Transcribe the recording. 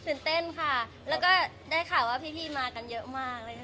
ตื่นเต้นค่ะแล้วก็ได้ข่าวว่าพี่มากันเยอะมากเลย